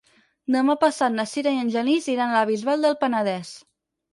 Demà passat na Sira i en Genís iran a la Bisbal del Penedès.